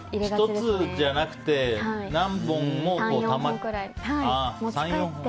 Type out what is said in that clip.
１つじゃなくて何本もたまって？